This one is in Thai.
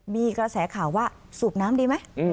มีกระแสข่าวว่าสูบน้ำดีไหม